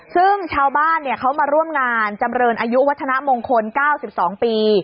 ซึ่งชาวบ้านเขามาร่วมงานจำเรินอายุวัฒนามงคล๙๒ปี